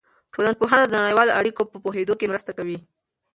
ټولنپوهنه د نړیوالو اړیکو په پوهېدو کې مرسته کوي.